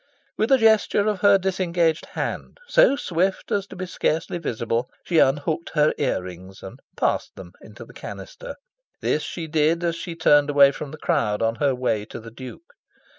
With a gesture of her disengaged hand, so swift as to be scarcely visible, she unhooked her ear rings and "passed" them into the canister. This she did as she turned away from the crowd, on her way to the Duke.